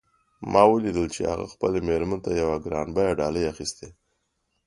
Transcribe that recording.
ما ولیدل چې هغه خپلې میرمن ته یوه ګران بیه ډالۍ اخیستې